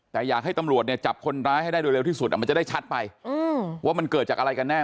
แต่อยากให้ตำรวจเนี่ยจับคนร้ายให้ได้โดยเร็วที่สุดมันจะได้ชัดไปว่ามันเกิดจากอะไรกันแน่